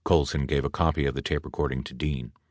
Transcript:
56 Colson gave a copy of the tape recording to Dean.